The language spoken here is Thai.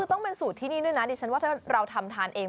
คือต้องเป็นสูตรที่นี่ด้วยนะดิฉันว่าถ้าเราทำทานเอง